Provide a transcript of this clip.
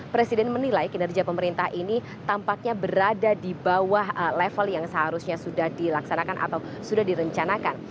presiden menilai kinerja pemerintah ini tampaknya berada di bawah level yang seharusnya sudah dilaksanakan atau sudah direncanakan